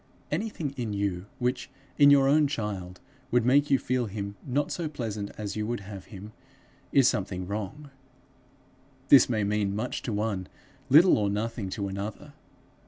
Anything in you, which, in your own child, would make you feel him not so pleasant as you would have him, is something wrong. This may mean much to one, little or nothing to another.